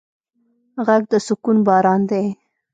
غږ د سکون باران دی